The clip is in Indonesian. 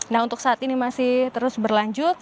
nah untuk saat ini masih terus berlanjut